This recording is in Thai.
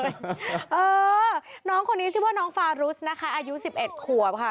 เออน้องคนนี้ชื่อว่าน้องฟารุสนะคะอายุ๑๑ขวบค่ะ